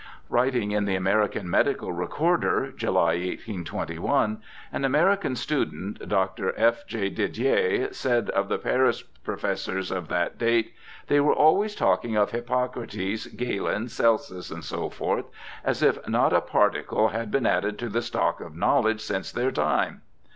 Writing in the American Medical Recorder, July, 1821, an American student, Dr. F. J. Didier, said of the Paris professors of that date, 'They were always talking of Hippocrates, Galen, Celsus, &c., as if not a particle had been added to the stock of knowledge since their time.'